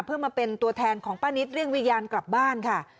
เพื่อมาเป็นตัวแทนของป้านิตเรื่องวิญญาณกลับบ้านค่ะ